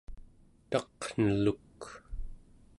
taqneluk